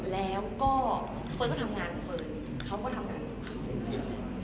แล้วก็เฟิร์นก็ทำงานเฟิร์นเขาก็ทำงานของเขา